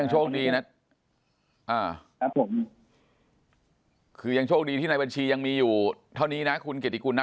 โชคดีนะครับผมคือยังโชคดีที่ในบัญชียังมีอยู่เท่านี้นะคุณเกียรติกุลนะ